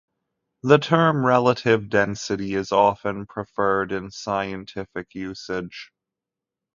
The term "relative density" is often preferred in scientific usage.